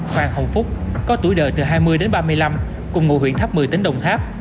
hoàng hồng phúc có tuổi đời từ hai mươi ba mươi năm cùng ngụ huyện tháp mười tỉnh đồng tháp